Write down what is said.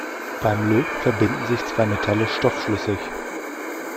Beim Löten verbinden sich zwei Metalle stoffschlüssig.